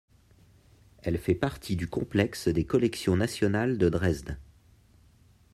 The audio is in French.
Elle fait partie du complexe des Collections nationales de Dresde.